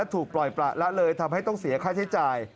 ถูกปล่อยประละเลยทำให้ต้องเสียค่าใช้จ่าย